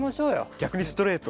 逆にストレート。